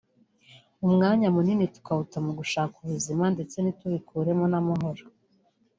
umwanya munini tukawuta mu gushaka ubuzima ndetse ntitubikuremo n'amahoro